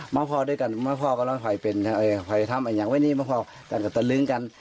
มาพ่อด้วยกันมาพ่อกันแล้วภายเป็นภายทำอันยังไว้นี้มาพ่อกันกับตะลึงกัน